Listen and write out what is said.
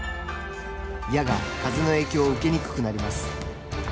矢が風の影響を受けにくくなります。